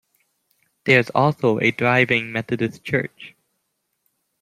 There is also a thriving Methodist Church.